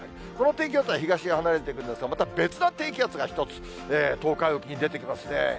この低気圧は東へ離れていくんですが、また別の低気圧が１つ、東海沖に出てきますね。